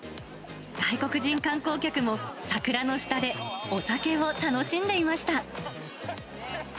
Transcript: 外国人観光客も、桜の下でお酒を楽しんでいました。